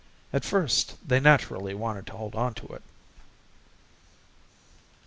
At first they naturally wanted to hold on to it.